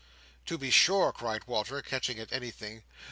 "To be sure!" cried Walter, catching at anything.